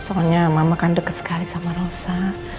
soalnya mama kan dekat sekali sama rosa